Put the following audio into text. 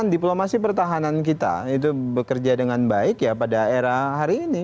diplomasi pertahanan kita itu bekerja dengan baik ya pada era hari ini